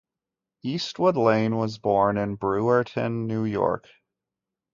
Eastwood Lane was born in Brewerton, New York.